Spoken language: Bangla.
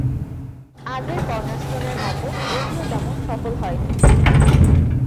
আগের "কর্নারস্টোন" এর মত এটিও তেমন সফল হয়নি।